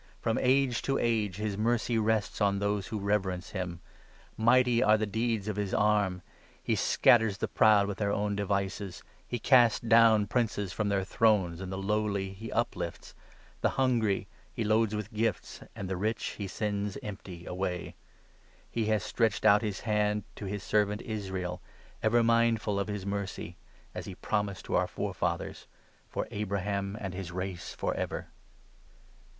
From age to age his mercy rests 50 On those who reverence him. Mighty are the deeds of his arm ; 51 He scatters the proud with their own devices, He casts down princes from their thrones, and the lowly he 52 uplifts, The hungry he loads with gifts, and the rich he sends empty 53 away. He has stretched out his hand to his servant Israel, 54 Ever mindful of his mercy (As he promised to our forefathers) 55 For Abraham and his race for ever."